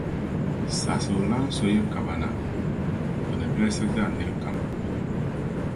Saɣisigulana so yi ka ba na, bɛ ni dolsi gari niriba kam.